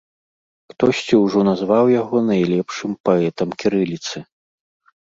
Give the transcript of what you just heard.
Хтосьці ўжо назваў яго найлепшым паэтам кірыліцы.